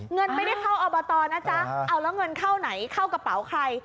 เงินไม่ได้เข้าอบตนะจ๊ะเอาแล้วเงินเข้าไหนเข้ากระเป๋าใคร